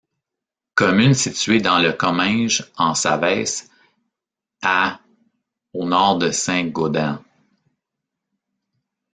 Commune située dans le Comminges, en Savès, à au nord de Saint-Gaudens.